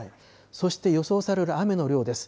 そして予想される雨の量です。